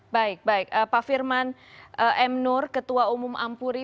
baik baik pak firman m nur ketua umum ampuri